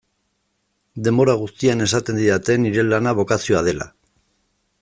Denbora guztian esaten didate nire lana bokazioa dela.